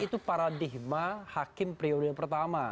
itu paradigma hakim periode pertama